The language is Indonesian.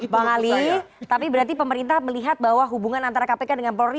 bang ali tapi berarti pemerintah melihat bahwa hubungan antara kpk dengan polri